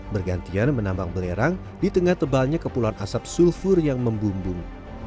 bergantian menambang belerang di tengah tebalnya kepulan asap sulfur yang membumbung